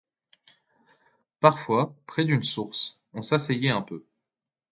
Parfois, près d'une source, on s'asseyait un peu.